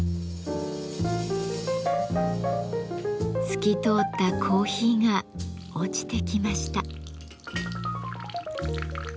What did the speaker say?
透き通ったコーヒーが落ちてきました。